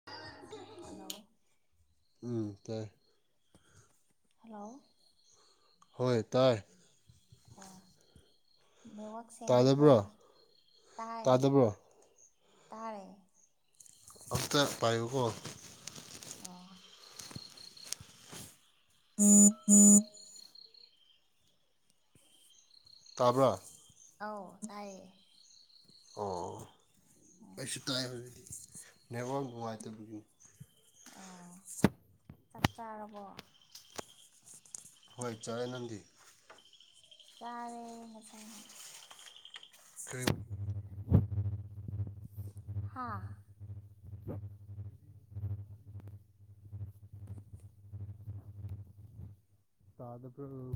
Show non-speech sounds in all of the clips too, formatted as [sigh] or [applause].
[unintelligible] hello ꯎꯝ ꯇꯥꯏꯌꯦ hello ꯍꯣꯏ ꯇꯥꯏ ꯍꯣꯋꯥ ꯅꯦꯠꯋꯥꯛ ꯁꯦꯡꯉꯦꯀꯣ ꯇꯥꯗꯕ꯭ꯔꯣ ꯇꯥꯏ ꯇꯥꯗꯕ꯭ꯔꯣ ꯇꯥꯏꯔꯦ ꯑꯝꯇ ꯄꯥꯏꯌꯨ ꯀꯣ ꯑ [inaudible] ꯇꯥꯕ꯭ꯔꯥ ꯑꯥꯎ ꯇꯥꯏꯌꯦ ꯑꯣ ꯎꯝ ꯑꯩꯁꯨ ꯇꯥꯏ ꯕꯗꯤ ꯅꯦꯋꯥꯡ ꯅꯨꯉꯥꯏꯇꯕꯒꯤ ꯑꯣ ꯆꯥꯛ ꯆꯥꯔꯕꯣ ꯍꯣꯏ ꯆꯥꯔꯦ ꯅꯪꯗꯤ ꯆꯥꯔꯦ ꯉꯁꯥꯏꯅ ꯀꯔ꯭ꯤꯝ ꯎꯝ [inaudible] ꯍꯥꯥ [inaudible] ꯇꯥꯗꯕꯔꯣ ꯎꯝ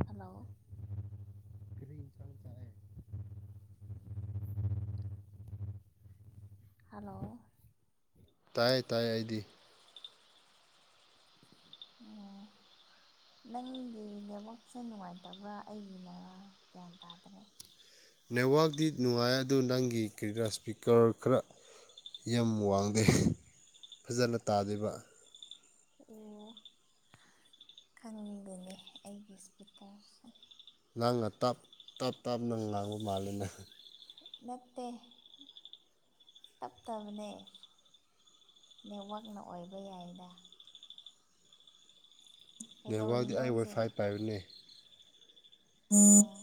[inaudible] ꯍꯜꯂꯣ ꯏꯟꯁꯥꯡ ꯆꯥꯏ ꯍꯜꯂꯣ ꯇꯥꯏꯌꯦ ꯇꯥꯏ ꯑꯩꯗꯤ ꯑꯣ ꯅꯪꯒꯤ ꯅꯦꯠꯋꯥꯛꯁꯦ ꯅꯨꯡꯉꯥꯏꯇꯕ꯭ꯔꯥ ꯑꯩꯒꯤ ꯅꯔꯥ ꯒ꯭ꯌꯥꯟ ꯇꯥꯗ꯭ꯔꯦ ꯅꯦꯠꯋꯥꯛꯇꯤ ꯅꯨꯡꯉꯥꯏ ꯑꯗꯨ ꯅꯪꯒꯤ ꯀꯔꯤꯔꯥ ꯏꯁꯄꯤꯀꯔ ꯈꯔ ꯌꯥꯝ ꯋꯥꯡꯗꯦ ꯐꯖꯅ ꯇꯥꯗꯦꯕ ꯑꯣ ꯈꯪꯗꯦꯅꯦ ꯑꯩꯒꯤ ꯏꯁꯄꯤꯀꯔꯁꯦ ꯅꯪꯅ ꯇꯞ ꯇꯞ ꯇꯞꯅ ꯉꯥꯡꯕ ꯃꯥꯜꯂꯤꯅ ꯅꯠꯇꯦ ꯇꯞꯇꯕꯅꯦ ꯅꯦꯠꯋꯥꯛꯅ ꯑꯣꯏꯕ ꯌꯥꯏꯗ ꯅꯦꯠꯋꯥꯛꯗꯤ ꯀꯩꯗꯧꯔꯤꯅꯣ ꯑꯩ ꯍꯧꯖꯤꯛ ꯋꯥꯏꯐꯥꯏ ꯄꯥꯏꯕꯅꯦ ꯑꯣ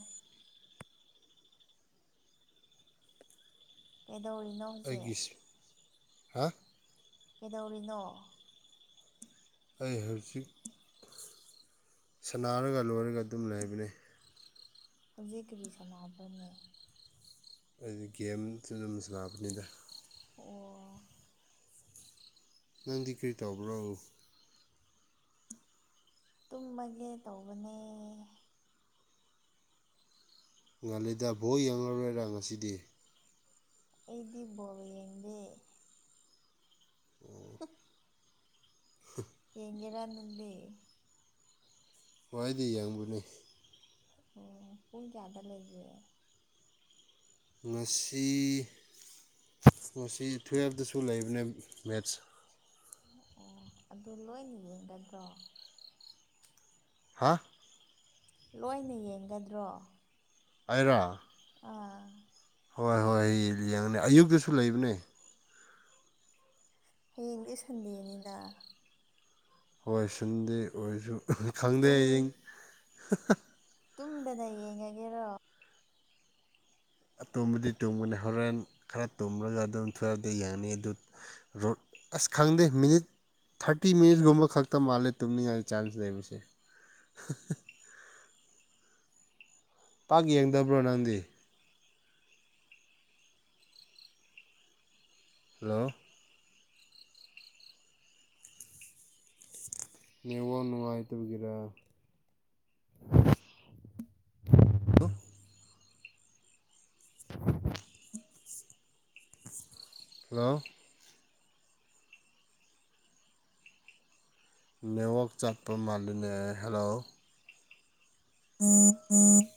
ꯀꯩꯗꯧꯔꯤ ꯑꯩꯒꯤꯁ ꯍꯥ ꯀꯩꯗꯧꯔꯤꯅꯣ ꯑꯩ ꯍꯧꯖꯤꯛ ꯁꯅꯥꯔꯒ ꯂꯣꯏꯔꯒ ꯑꯗꯨꯝ ꯂꯩꯕꯅꯤ ꯍꯧꯖꯤꯛ ꯀꯔꯤ ꯁꯥꯟꯅꯕ꯭ꯔꯣꯅꯦ ꯑꯩꯗꯤ ꯒꯦꯝꯁꯨ ꯑꯗꯨꯝ ꯁꯅꯥꯕꯅꯤꯗ ꯑꯣ ꯅꯪꯗꯤ ꯀꯔꯤ ꯇꯧꯕ꯭ꯔꯣ ꯇꯨꯝꯃꯒꯦ ꯇꯧꯕꯅꯦ ꯉꯟꯂꯤꯗ ꯚꯣ ꯌꯦꯡꯉꯔꯣꯏꯔꯥ ꯉꯁꯤꯗꯤ ꯑꯩꯗꯤ ꯕꯣꯜ ꯌꯦꯡꯗꯦ ꯌꯦꯡꯉꯤꯔꯥ ꯅꯪꯗꯤ ꯋꯥꯏꯗꯤ ꯌꯦꯡꯕꯅꯦ ꯑꯣ ꯄꯨꯡ ꯀꯌꯥꯗ ꯂꯩꯒꯦ ꯉꯁꯤ ꯉꯁꯤ ꯇꯨꯌꯦꯜꯞꯇꯁꯨ ꯂꯩꯕꯅꯦ ꯃꯦꯠꯁ ꯑꯣ ꯑꯗꯨ ꯂꯣꯏꯅ ꯌꯦꯡꯒꯗ꯭ꯔꯣ ꯍꯥ ꯂꯣꯏꯅ ꯌꯦꯡꯒꯗ꯭ꯔꯣ ꯑꯩꯔ ꯑꯥ ꯍꯣꯏ ꯍꯣꯏ ꯌꯦꯡꯅꯤ ꯑꯌꯨꯛꯇꯁꯨ ꯂꯩꯕꯅꯦ ꯍꯌꯦꯡꯗꯤ ꯁꯟꯗꯦꯅꯤꯅ ꯍꯣꯏ ꯁꯤꯟꯗꯦ ꯑꯣꯏꯁꯨ ꯈꯪꯗꯦ ꯇꯨꯝ ꯍꯌꯦꯡ ꯇꯨꯝꯗꯅ ꯌꯦꯡꯉꯒꯦꯔꯣ ꯑꯇꯨꯝꯕꯗꯤ ꯇꯨꯝꯒꯅꯤ ꯍꯣꯔꯦꯟ ꯈꯔ ꯇꯨꯝꯂꯒ ꯑꯗꯨꯝ ꯊꯨꯌ꯭ꯄꯇ ꯌꯥꯡꯅꯤ ꯑꯗꯨ ꯔꯣ ꯑꯁ ꯈꯪꯗꯦ ꯃꯤꯅꯤꯠ ꯊꯥꯔꯇꯤ ꯃꯤꯅꯤꯠꯁꯀꯨꯝꯕ ꯈꯛꯇ ꯃꯥꯜꯂꯦ ꯇꯨꯝꯅꯤꯡꯉꯥꯏ ꯆꯥꯟꯁ ꯂꯩꯕꯁꯦ ꯄꯥꯛ ꯌꯦꯡꯗꯕ꯭ꯔꯣ ꯅꯪꯗꯤ ꯍꯜꯂꯣ ꯅꯦꯠꯋꯥꯛ ꯅꯨꯉꯥꯏꯇꯕꯒꯤꯔꯥ [unintelligible] ꯍꯜꯂꯣ ꯅꯦꯠꯋꯥꯛ ꯆꯠꯄ ꯃꯥꯜꯂꯤꯅꯦ ꯍꯜꯂꯣ [unintelligible]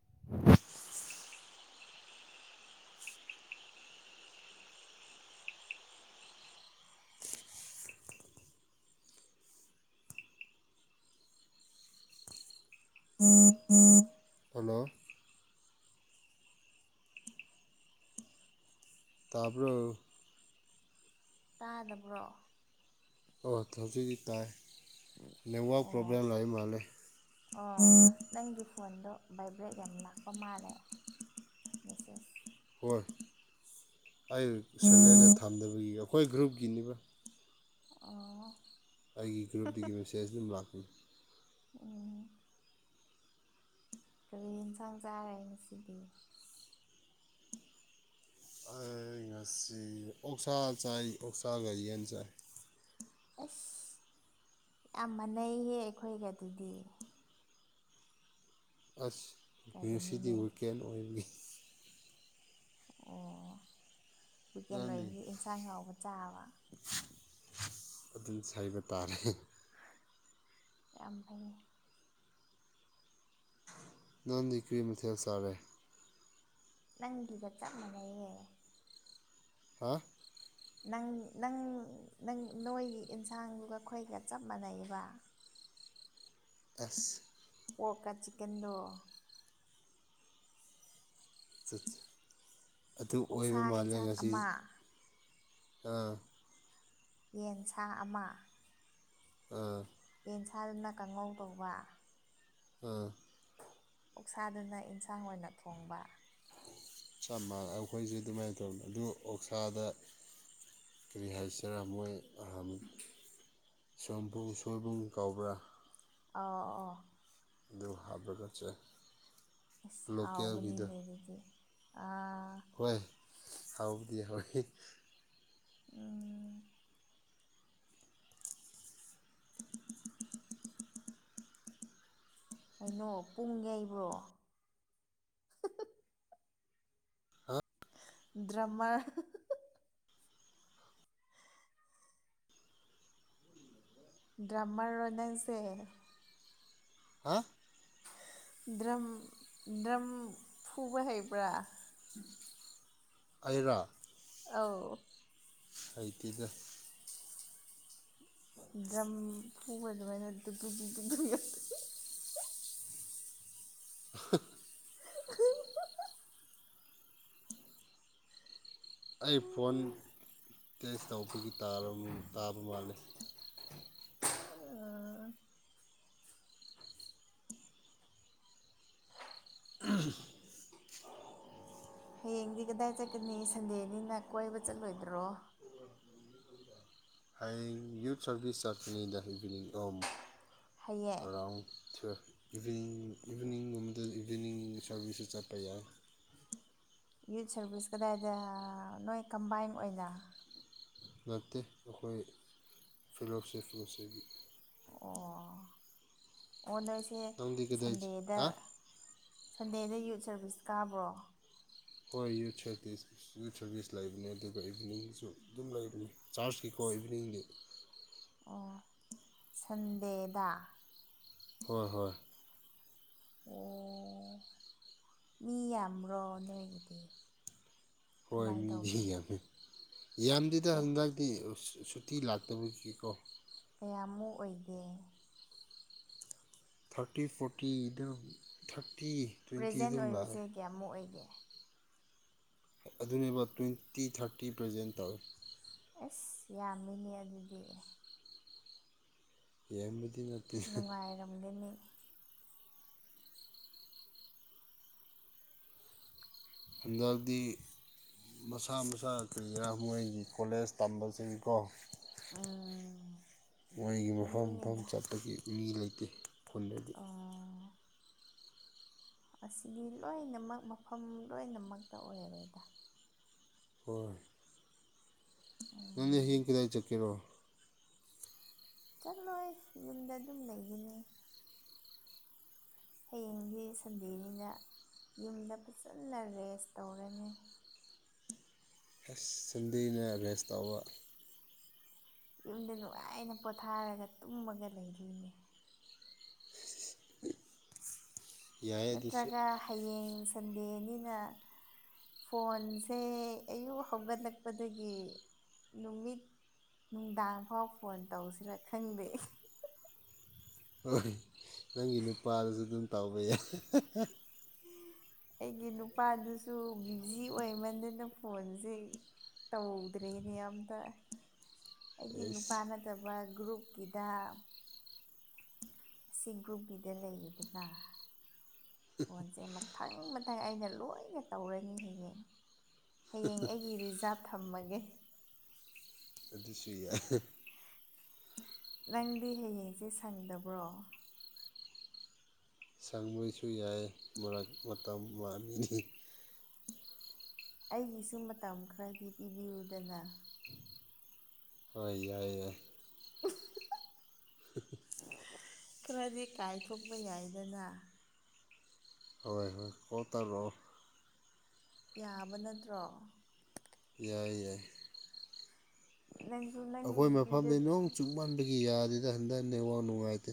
[unintelligible] ꯍꯜꯂꯣ ꯇꯥꯕ꯭ꯔꯣ ꯇꯥꯗꯕ꯭ꯔꯣ ꯑꯣ ꯊꯧꯖꯤꯒꯤ ꯇꯥꯏ ꯅꯦꯠꯋꯥꯛ ꯑꯣ ꯄ꯭ꯔꯣꯕ꯭ꯂꯦꯝ ꯂꯩ ꯃꯥꯜꯂꯦ ꯑꯣ ꯅꯪꯒꯤ ꯐꯣꯟꯗꯣ ꯚꯥꯏꯕ꯭ꯔꯦꯠ ꯌꯥꯝ ꯂꯥꯛꯄ ꯃꯥꯜꯂꯦ ꯃꯦꯁꯦꯁ ꯍꯣꯏ ꯑꯩ ꯁꯥꯏꯂꯦꯟꯗ ꯊꯝꯗꯕꯒꯤ ꯑꯩꯈꯣꯏ ꯒ꯭ꯔꯨꯞꯀꯤꯅꯤꯕ ꯑꯣ ꯑꯩꯒꯤ ꯒ꯭ꯔꯨꯞꯇꯒꯤ ꯃꯦꯁꯦꯖ ꯑꯗꯨꯝ ꯂꯥꯛ ꯎꯝ ꯀꯔꯤ ꯌꯦꯟꯁꯥꯡ ꯆꯥꯔꯦ ꯉꯁꯤꯗꯤ ꯑꯩ ꯉꯁꯤ ꯑꯣꯛꯁꯥ ꯆꯥꯏ ꯑꯣꯛꯁꯥ ꯒꯥ ꯌꯦꯟ ꯆꯥꯏ ꯑꯁ ꯌꯥꯝ ꯃꯥꯟꯅꯩꯌꯦ ꯑꯩꯈꯣꯏꯒ ꯑꯗꯨꯗꯤ ꯑꯁ ꯉꯁꯤꯗꯤ ꯀꯔꯤꯅꯣꯅꯦ ꯋꯤꯀꯦꯟ ꯑꯣꯏꯕꯒꯤ ꯑꯣ ꯋꯤꯀꯦꯟ ꯅꯪꯗꯤ ꯂꯣꯏꯕꯒꯤ ꯌꯦꯟꯁꯥꯡ ꯍꯥꯎꯕ ꯆꯥꯕ ꯑꯗꯨꯝ ꯁꯥꯏꯕ ꯇꯥꯔꯦ ꯌꯥꯝ ꯐꯩꯌꯦ ꯅꯪꯗꯤ ꯀ꯭ꯔꯤ ꯃꯊꯦꯜ ꯆꯥꯔꯦ ꯅꯪꯒꯤꯒ ꯆꯞ ꯃꯥꯟꯅꯩꯌꯦ ꯍꯥꯥ ꯅꯪ ꯅꯪ ꯅꯪ ꯅꯣꯏꯒꯤ ꯏꯟꯁꯥꯡꯗꯨꯒ ꯑꯩꯈꯣꯏꯒ ꯆꯞ ꯃꯥꯟꯅꯩꯌꯦꯕ ꯑꯁ ꯄꯣꯛꯀ ꯆꯤꯛꯀꯦꯟꯗꯣ ꯑꯠꯆꯆꯥ ꯑꯗꯨ ꯑꯣꯛꯁꯥ ꯑꯣꯏꯕ ꯃꯥꯜꯂꯦ ꯌꯦꯟꯁꯥꯡ ꯉꯁꯤ ꯑꯃ ꯑꯥ ꯌꯦꯟꯁꯥ ꯑꯃ ꯑꯥ ꯌꯦꯟ ꯁꯥꯗꯨꯅ ꯀꯥꯡꯉꯧ ꯇꯧꯕ ꯑꯥ ꯑꯣꯛꯁꯥꯗꯨꯅ ꯏꯟꯁꯥꯡ ꯑꯣꯏꯅ ꯊꯣꯡꯕ ꯆꯞ ꯃꯥꯟꯅ ꯑꯩꯈꯣꯏꯖꯦ ꯑꯗꯨꯃꯥꯏꯅ ꯇꯧꯅꯤ ꯑꯗꯨ ꯑꯣꯛꯁꯥꯗ ꯀ꯭ꯔꯤ ꯍꯥꯏꯁꯦꯔꯥ ꯃꯣꯏ ꯑꯥꯝ ꯁꯣꯝꯄꯨ ꯁꯣꯏꯕꯨꯝ ꯀꯧꯕ꯭ꯔꯥ ꯑꯥꯎ ꯑꯣ ꯗꯨ ꯍꯥꯞꯂꯥꯒ ꯆꯥꯏ ꯏꯁ ꯂꯣꯀꯦꯜꯒꯤꯗꯣ ꯍꯥꯎꯕꯅꯤꯅꯦ ꯑꯗꯨꯗꯤ ꯑꯥ ꯍꯣꯏ ꯍꯥꯎꯕꯗꯤ ꯍꯣꯏ ꯎꯝ ꯀꯩꯅꯣ ꯄꯨꯡ ꯌꯩꯕ꯭ꯔꯣ ꯑꯥ ꯗ꯭ꯔꯥꯃꯔ ꯗ꯭ꯔꯥꯃꯔ ꯔꯣ ꯅꯪꯁꯦ ꯍꯥ ꯗ꯭ꯔꯝ ꯗ꯭ꯔꯝ ꯐꯨꯕ ꯍꯩꯕ꯭ꯔꯥ ꯑꯩꯔꯥ ꯑꯧ ꯍꯩꯇꯦꯗ ꯗ꯭ꯔꯝ ꯐꯨꯕ ꯑꯗꯨꯃꯥꯏꯅ ꯗꯨꯞ ꯗꯨꯞ ꯗꯨꯞ [inaudible] [unintelligible] [unintelligible] ꯑꯩ ꯐꯣꯟ ꯇꯦꯖ ꯇꯧꯕꯒꯤ ꯇꯥꯕ ꯇꯥꯕ ꯃꯥꯂꯦ ꯑꯥ ꯎꯝ ꯍꯌꯦꯡꯗꯤ ꯀꯗꯥꯏ ꯆꯠꯀꯥꯅꯤ ꯁꯟꯗꯦꯅꯤꯅ ꯀꯣꯏꯕ ꯆꯠꯂꯣꯏꯗ꯭ꯔꯣ ꯑꯩ ꯌꯨꯠ ꯁꯔꯚꯤꯁ ꯆꯠꯀꯥꯅꯤꯗ ꯏꯚꯤꯅꯤꯡ ꯑꯣꯝ ꯍꯌꯦꯡ ꯑꯔꯥꯎꯟ ꯏꯚꯤꯅꯤꯡ ꯏꯚꯤꯅꯤꯡꯒꯨꯝꯕꯗ ꯏꯚꯤꯅꯤꯡ ꯁꯥꯔꯚꯤꯁꯁꯨ ꯆꯠꯄ ꯌꯥꯏ ꯌꯨꯠ ꯁꯥꯔꯚꯤꯁ ꯀꯗꯥꯏꯗ ꯅꯣꯏ ꯀꯝꯕꯥꯏꯟ ꯑꯣꯏꯅ ꯅꯠꯇꯦ ꯑꯈꯣꯏ ꯐꯤꯂꯣꯁꯤꯐꯤꯁꯤ ꯑꯣ ꯑꯣ ꯅꯣꯏꯁꯦ ꯅꯪꯗꯤ ꯀꯗꯥꯏ ꯁꯟꯗꯦꯗ ꯍꯥ ꯁꯟꯗꯦꯗ ꯌꯨꯠ ꯁꯔꯚꯤꯁ ꯀꯥꯕ꯭ꯔꯣ ꯍꯣꯏ ꯌꯨꯠ ꯁꯦꯇꯤꯁ ꯌꯨꯠ ꯁꯔꯚꯤꯁ ꯂꯩꯕꯅꯦ ꯑꯗꯨꯒ ꯏꯚꯤꯅꯤꯡꯁꯨ ꯑꯗꯨꯝ ꯂꯩꯕꯅꯦ ꯆꯥꯔꯖꯀꯤꯀꯣ ꯏꯚꯤꯅꯤꯡꯒꯤ ꯑꯣ ꯁꯟꯗꯦꯗ ꯍꯣꯏ ꯍꯣꯏ ꯑꯣ ꯃꯤ ꯌꯥꯝꯕ꯭ꯔꯣ ꯅꯣꯏꯒꯤꯗꯤ ꯍꯣꯏ ꯀꯃꯥꯏꯅ ꯃꯤꯗꯤ ꯇꯧꯒꯦ ꯌꯥꯝꯃꯦ ꯌꯥꯝꯗꯦꯗ ꯀꯦ ꯍꯟꯗꯛ ꯇꯤ ꯁꯨꯇꯤ ꯂꯥꯛꯇꯕꯒꯤꯀꯣ ꯀꯌꯥꯃꯨ ꯑꯣꯏꯒꯦ ꯊꯥꯔꯇꯤ ꯐꯣꯔꯇꯤ ꯑꯗꯨ ꯊꯥꯔꯇꯤ ꯇ꯭ꯋꯦꯟꯇꯤ ꯄ꯭ꯔꯦꯖꯦꯟ ꯑꯗꯨꯝ ꯂꯥꯛꯑꯦ ꯑꯣꯏꯕꯁꯦ ꯀꯌꯥꯃꯨꯛ ꯑꯣꯏꯒꯦ ꯑꯗꯨꯅꯦꯕ ꯇ꯭ꯋꯦꯟꯇꯤ ꯊꯥꯔꯇꯤ ꯄ꯭ꯔꯦꯖꯦꯟ ꯇꯧꯋꯦ ꯑꯦꯁ ꯌꯥꯝꯃꯤꯅꯦ ꯑꯗꯨꯗꯤ ꯌꯥꯝꯕꯗꯤ ꯅꯠ ꯅꯨꯡꯉꯥꯏꯔꯝꯒꯅꯤ ꯍꯟꯗꯛꯇꯤ ꯃꯁꯥ ꯃꯁꯥ ꯀ꯭ꯔꯤꯔꯥ ꯃꯣꯏꯒꯤ ꯀꯣꯂꯦꯖ ꯇꯝꯕꯁꯤꯡ ꯀꯣ ꯎꯝ ꯃꯣꯏꯒꯤ ꯃꯐꯝ ꯃꯐꯝ ꯑꯗꯨꯅꯤꯗ ꯆꯠꯄꯒꯤ ꯃꯤ ꯂꯩꯇꯦ ꯈꯨꯟꯗ ꯑꯣ ꯑꯁꯤꯗꯤ ꯂꯣꯏꯅꯃꯛ ꯃꯐꯝ ꯂꯣꯏꯅꯃꯛꯇ ꯑꯣꯏꯔꯦꯗ ꯍꯣꯏ ꯅꯪꯗꯤ ꯎꯝ ꯍꯌꯦꯡ ꯀꯗꯥꯏ ꯆꯠꯀꯦꯔꯣ ꯆꯠꯂꯣꯏ ꯌꯨꯝꯗ ꯑꯗꯨꯝ ꯂꯩꯒꯅꯤ ꯍꯌꯦꯡꯗꯤ ꯁꯟꯗꯦꯅꯤꯅ ꯌꯨꯝꯗ ꯐꯖꯅ ꯔꯦꯁ ꯇꯧꯔꯅꯤ ꯑꯁ ꯁꯟꯗꯦꯅ ꯔꯦꯁ ꯇꯧꯕ ꯌꯨꯝꯗ ꯅꯨꯡꯉꯥꯏꯅ ꯄꯣꯊꯥꯔꯒ ꯇꯨꯝꯃꯒ ꯂꯩꯗꯣꯏꯅꯦ ꯌꯥꯏ ꯑꯗꯨꯁꯨ ꯅꯠꯇ꯭ꯔꯒ ꯍꯌꯦꯡ ꯁꯟꯗꯦꯅꯤꯅ ꯐꯣꯟꯁꯦ ꯑꯌꯨꯛ ꯍꯧꯒꯠꯂꯛꯄꯗꯒꯤ ꯅꯨꯃꯤꯠ ꯅꯨꯡꯗꯥꯡ ꯐꯥꯎ ꯐꯣꯟ ꯇꯧꯁꯤꯔ ꯈꯪꯗꯦ ꯅꯪꯒꯤ ꯅꯨꯄꯥꯗꯁꯨ ꯑꯗꯨꯝ ꯇꯥꯎꯕ ꯌꯥꯏ ꯑꯩꯒꯤ ꯅꯨꯄꯥꯗꯨꯁꯨ ꯕꯤꯖꯤ ꯑꯣꯏꯃꯟꯗꯅ ꯐꯣꯟꯖꯦ ꯇꯧꯗ꯭ꯔꯦꯅꯦ ꯑꯝꯇ ꯑꯩꯒꯤ ꯑꯩꯁ ꯅꯨꯄꯥ ꯅꯠꯇꯕ ꯒ꯭ꯔꯨꯞꯀꯤꯗ ꯁꯤ ꯒ꯭ꯔꯨꯞꯀꯤꯗ ꯂꯩꯌꯦꯗꯅ ꯐꯣꯟꯖꯦ ꯃꯊꯪ ꯃꯊꯪ ꯑꯩꯅ ꯂꯣꯏꯅ ꯇꯧꯔꯅꯤ ꯍꯌꯦꯡ ꯍꯌꯦꯡ ꯑꯩꯒꯤ ꯔꯤꯖꯥꯕ ꯊꯝꯃꯒꯦ [unintelligible] ꯅꯪꯗꯤ ꯍꯌꯦꯡꯁꯦ ꯁꯪꯗꯕ꯭ꯔꯣ ꯃꯣꯏꯁꯨ ꯌꯥꯏ ꯃꯔꯛ ꯃꯇꯝ ꯃꯥꯅꯤ ꯅꯤ ꯑꯩꯒꯤꯁꯨ ꯃꯇꯝ ꯈꯔꯗꯤ ꯄꯤꯕꯤꯌꯨꯗꯅ ꯍꯣꯏ ꯌꯥꯏ ꯌꯥꯏ ꯈꯔꯗꯤ ꯀꯥꯏꯊꯣꯛꯄ ꯌꯥꯏꯗꯅ ꯍꯣꯏ ꯍꯣꯏ ꯍꯣ ꯇꯥꯂꯣ ꯌꯥꯕ ꯅꯠꯇ꯭ꯔꯣ ꯌꯥꯏ ꯌꯥꯏ ꯅꯪꯁꯨ ꯅꯪꯒꯤ ꯑꯈꯣꯏ ꯅꯨꯄꯤꯗ ꯃꯐꯝꯗꯤ ꯅꯣꯡ ꯆꯨꯝꯃꯟꯕꯒꯤ ꯌꯥꯗꯦꯗ ꯍꯟꯗꯟ ꯅꯦꯋꯥꯛ ꯅꯨꯡꯉꯥꯏꯇꯦ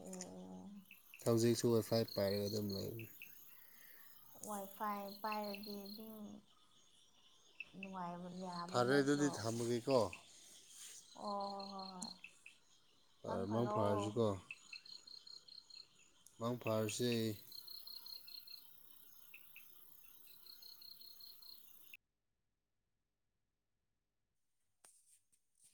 ꯑꯣ ꯍꯧꯖꯤꯛꯁꯨ ꯋꯥꯏꯐꯥꯏ ꯄꯥꯏꯔꯒ ꯑꯗꯨꯝ ꯂꯩꯔꯤ ꯋꯥꯏꯐꯥꯏ ꯄꯥꯏꯔꯗꯤ ꯑꯗꯨꯝ ꯅꯨꯡꯉꯥꯏꯕ ꯌꯥꯕ ꯐꯔꯦ ꯅꯠꯇ꯭ꯔꯣ ꯑꯗꯨꯗꯤ ꯊꯝꯃꯒꯦꯀꯣ ꯑꯣ ꯍꯣꯏ ꯍꯣꯏ ꯍꯣꯏ ꯃꯪ ꯐꯔꯣ ꯃꯪ ꯐꯥꯔꯁꯦ